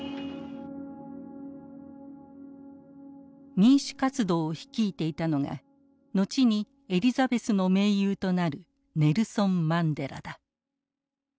民主活動を率いていたのが後にエリザベスの盟友となるネルソン・マンデラだ。